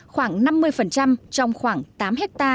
khoảng năm mươi trong khoảng tám hectare